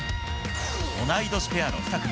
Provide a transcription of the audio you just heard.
同い年ペアの２組。